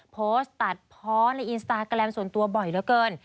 โพสต์ตัดเพาะในอินสตาแกรมส่วนตัวบ่อยเหลือเกิน